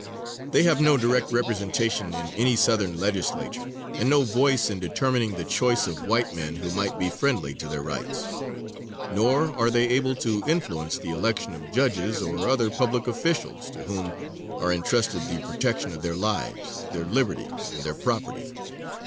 They have no direct representation in any Southern legislature, and no voice in determining the choice of white men who might be friendly to their rights. Nor are they able to influence the election of judges or other public officials, to whom are entrusted the protection of their lives, their liberties and their property.